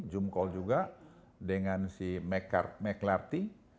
zoom call juga dengan si mclarty